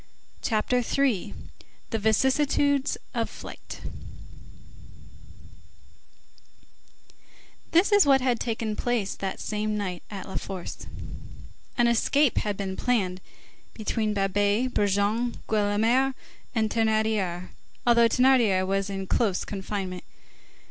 CHAPTER III—THE VICISSITUDES OF FLIGHT This is what had taken place that same night at the La Force:— An escape had been planned between Babet, Brujon, Guelemer, and Thénardier, although Thénardier was in close confinement.